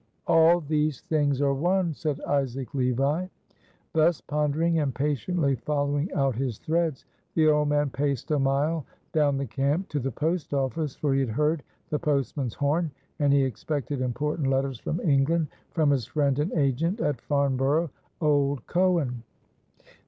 "All these things are one," said Isaac Levi. Thus pondering, and patiently following out his threads, the old man paced a mile down the camp to the post office, for he had heard the postman's horn, and he expected important letters from England, from his friend and agent at Farnborough, Old Cohen.